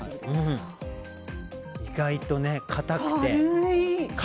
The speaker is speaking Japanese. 意外と硬くて。